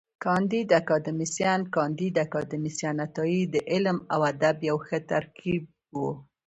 کانديد اکاډميسن کانديد اکاډميسن عطایي د علم او ادب یو ښه ترکیب و.